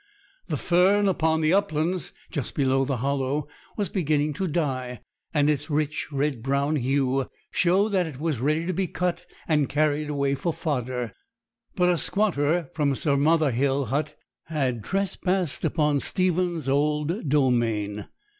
The fern upon the uplands, just behind the hollow, was beginning to die, and its rich red brown hue showed that it was ready to be cut and carried away for fodder; but a squatter from some other hill hut had trespassed upon Stephen's old domain.